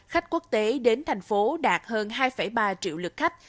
khách quốc tế đến thành phố đạt hơn hai ba triệu lượt khách